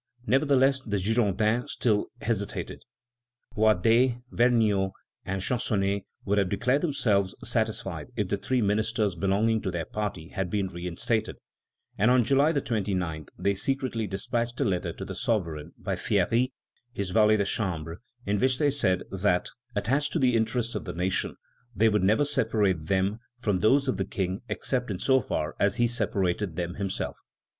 Nevertheless, the Girondins still hesitated. Guadet, Vergniaud, and Gensonné would have declared themselves satisfied if the three ministers belonging to their party had been reinstated, and on July 29 they secretly despatched a letter to the sovereign, by Thierry, his valet de chambre, in which they said that, "attached to the interests of the nation, they would never separate them from those of the King except in so far as he separated them himself."